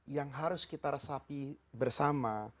yang harus kita resapi bersama